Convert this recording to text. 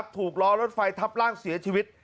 ถูกล้อรถไฟทับร่างเสียชีวิต